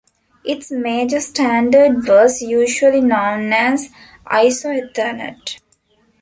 Its major standard was usually known as isoEthernet.